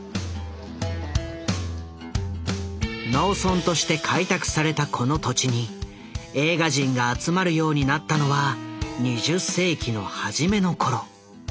農村として開拓されたこの土地に映画人が集まるようになったのは２０世紀の初めの頃。